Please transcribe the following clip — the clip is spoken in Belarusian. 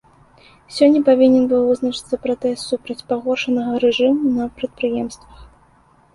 Сёння павінен быў вызначыцца пратэст супраць пагоршанага рэжыму на прадпрыемствах.